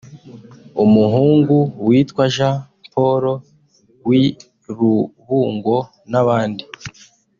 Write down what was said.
umuhungu witwa Jean Paul w’i Rubungo n’abandi…